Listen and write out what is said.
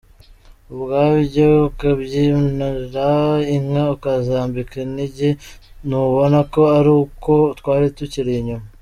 Ubwabyo kubyinira inka ukazambika inigi ntubona ko ari uko twari tukiri inyuma.